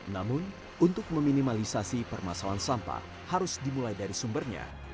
namun untuk meminimalisasi permasalahan sampah harus dimulai dari sumbernya